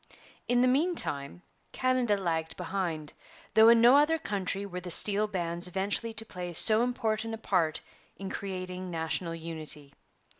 In the meantime Canada lagged behind, though in no other country were the steel bands eventually to play so important a part in creating national unity.